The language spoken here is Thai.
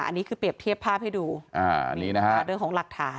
อันนี้คือเปรียบเทียบภาพให้ดูเรื่องของหลักฐาน